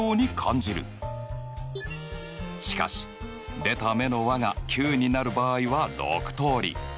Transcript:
しかし出た目の和が９になる場合は６通り。